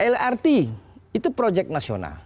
lrt itu proyek nasional